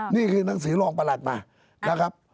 นี่คือหนังสือรองประหลัดมานะครับ